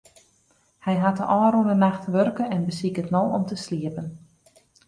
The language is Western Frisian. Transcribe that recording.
Hy hat de ôfrûne nacht wurke en besiket no om te sliepen.